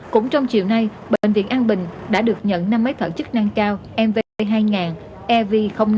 cũng trong chiều nay bệnh viện an bình đã được nhận năm máy thở chức năng cao mv hai nghìn ev năm